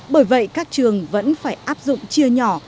bởi vậy các trường vẫn phải áp dụng chia nhỏ